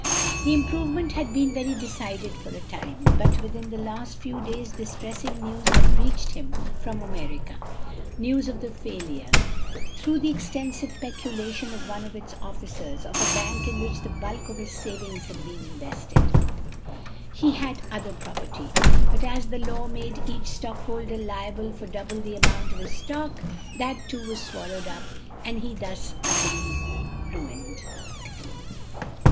The improvement had been very decided for a time, but within the last few days distressing news had reached him from America; news of the failure, through the extensive peculation of one of its officers, of a bank in which the bulk of his savings had been invested. He had other property, but as the law made each stockholder liable for double the amount of his stock, that too was swallowed up and he thus utterly ruined.